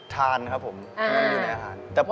ทานครับผมมันอยู่ในอาหาร